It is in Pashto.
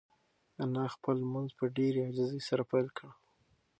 انا خپل لمونځ په ډېرې عاجزۍ سره پیل کړ.